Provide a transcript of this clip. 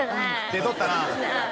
出とったな？